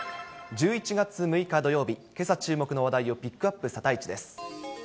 １１月６日土曜日、けさ注目の話題をピックアップ、サタイチです。